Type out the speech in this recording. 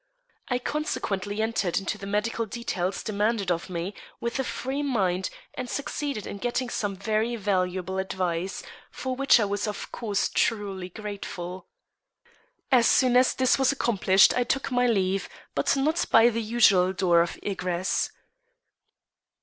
I consequently entered into the medical details demanded of me with a free mind and succeeded in getting some very valuable advice, for which I was of course truly grateful. As soon as this was accomplished I took my leave, but not by the usual door of egress.